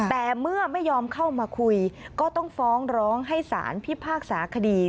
แต่เมื่อไม่ยอมเข้ามาคุยก็ต้องฟ้องร้องให้สารพิพากษาคดี